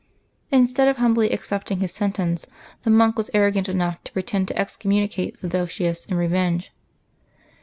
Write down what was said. Instead of humbly accepting his sentence, the monk was arrogant enough to pretend to excommunicate Theodosius in revenge.